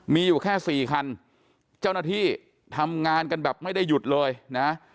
มีอยู่แค่สี่คันเจ้าหน้าที่ทำงานกันแบบไม่ได้หยุดเลยนะ